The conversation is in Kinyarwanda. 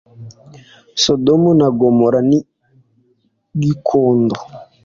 Sodomu na Gomora ni kigondo